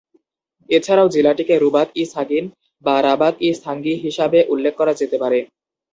এছাড়াও জেলাটিকে রুবাত-ই-সাগিন বা রাবাত-ই-সাঙ্গি হিসাবে উল্লেখ করা যেতে পারে।